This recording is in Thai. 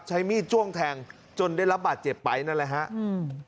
ใช้มีดจ้วงแทงจนได้รับบาดเจ็บไปนั่นแหละฮะอืม